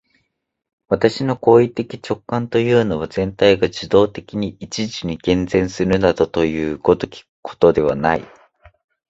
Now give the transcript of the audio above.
私の行為的直観というのは、全体が受働的に一時に現前するなどいう如きことではない。